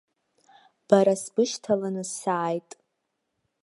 Бара сбышьҭаланы сааит.